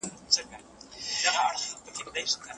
که مرچ په سترګو کې ولګیږي نو د سخت سوزش سبب کیدای شي.